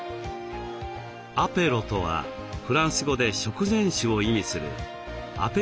「アペロ」とはフランス語で食前酒を意味する「アペリティフ」の略。